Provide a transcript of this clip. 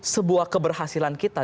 sebuah keberhasilan kita